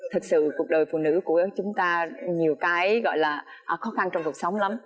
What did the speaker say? thực sự cuộc đời phụ nữ của chúng ta nhiều cái gọi là khó khăn trong cuộc sống lắm